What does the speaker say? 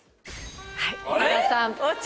はい岡田さんえっ？